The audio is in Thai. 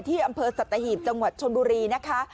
ที่อำเภอสัตหีบจังหวัดชนบุรีนะคะ